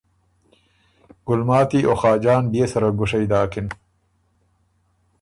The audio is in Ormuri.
ګلماتی او خاجان بيې سره ګُوشئ داکِن۔